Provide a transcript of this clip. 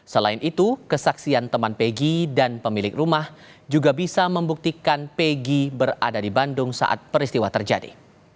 selain itu kesaksian teman pegi dan pemilik rumah juga bisa membuktikan pegi berada di bandung saat peristiwa terjadi